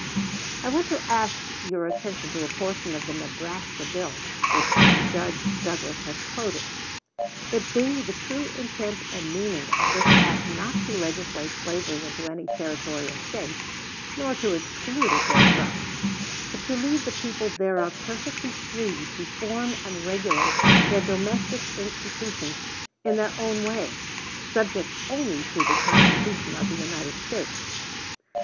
I want to ask your attention to a portion of the Nebraska bill which Judge Douglas has quoted: "It being the true intent and meaning of this Act not to legislate slavery into any Territory or State, nor to exclude it therefrom, but to leave the people thereof perfectly free to form and regulate their domestic institutions in their own way, subject only to the Constitution of the United States."